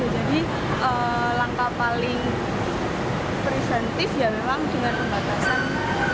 jadi langkah paling preventif ya memang dengan pembatasan penumpang